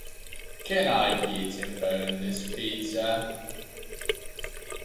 It covers the study of individual and social efforts on health behaviors.